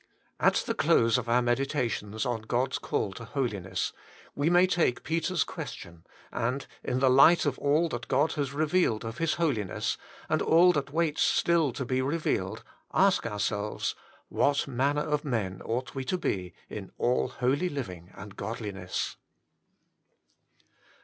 At the close HOLINESS AND HEAVEN. 273 of our meditations on God's call to Holiness, we may take Peter's question, and in the light of all that God has revealed of His Holiness, and all that waits still to be revealed, ask ourselves, 'What manner of men ought we to be in all holy living and godliness